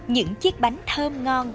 những chiếc bánh thơm ngon